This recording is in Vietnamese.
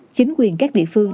chính quyền các địa phương